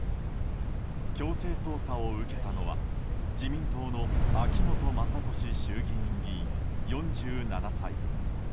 強制捜査を受けたのは自民党の秋本真利衆議院議員、４７歳。